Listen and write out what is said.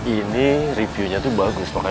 ini reviewnya tuh bagus